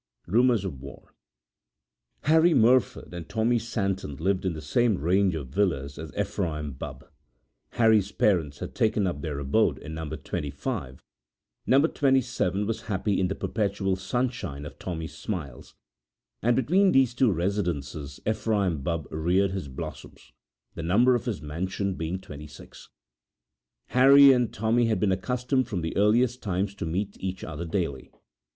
Rumours of War[edit] Harry Merford and Tommy Santon lived in the same range of villas as Ephraim Bubb. Harry's parents had taken up their abode in no. 25, no. 27 was happy in the perpetual sunshine of Tommy's smiles, and between these two residences Ephraim Bubb reared his blossoms, the number of his mansion being 26. Harry and Tommy had been accustomed from the earliest times to meet each other daily.